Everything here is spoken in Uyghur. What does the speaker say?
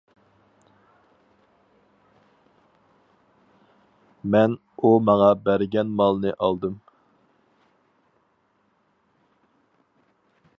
مەن ئۇ ماڭا بەرگەن مالنى ئالدىم.